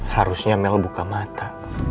harusnya mel buka mata